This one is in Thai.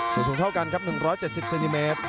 สูงเท่ากันครับ๑๗๐เซนติเมตร